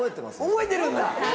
覚えてるんだ！